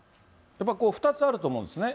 やっぱり２つあると思うんですよね。